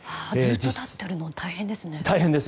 待っているのが大変ですね。